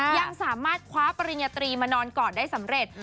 ยังสามารถคว้าปริญญาตรีมานอนก่อนได้สำเร็จ